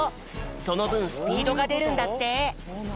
そのぶんスピードがでるんだって！